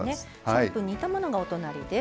３分煮たものがお隣です。